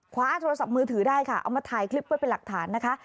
คว้าโทรศัพท์มือถือได้ค่ะเอามาถ่ายคลิปเพื่อเป็นหลักฐานนะคะ